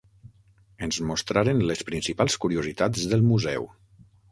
Ens mostraren les principals curiositats del museu.